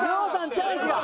チャンスが！